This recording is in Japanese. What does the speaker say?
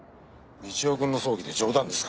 道夫君の葬儀で冗談ですか？